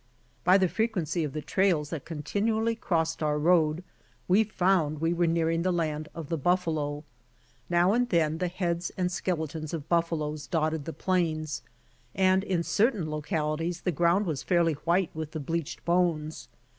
By THE frequency of the trails that continually crossed our road, we found we were nearing the land of the buffalo. Now and then the heads and skeletons of buffaloes dotted the plains, and in certain localities the ground was fairly white with the bleached bones.